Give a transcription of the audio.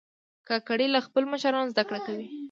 کاکړي له خپلو مشرانو زده کړه کوي.